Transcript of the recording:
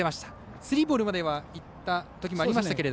スリーボールまでいったときはありましたけど。